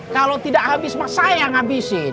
kalau tidak habis mah saya yang habisin